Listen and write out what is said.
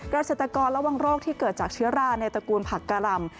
เกษตรกรระวังโรคที่เกิดจากเชื้อราในตระกูลผักกะลำ